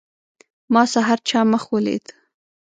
ما سحر چا مخ ولید.